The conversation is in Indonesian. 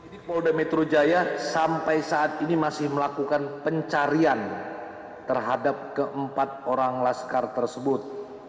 di polda metro jaya sampai saat ini masih melakukan pencarian terhadap keempat orang laskar tersebut